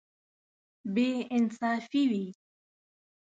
بې انصافي وي.